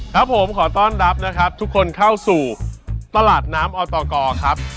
ครับผมขอต้อนรับนะครับทุกคนเข้าสู่ตลาดน้ำออตกครับ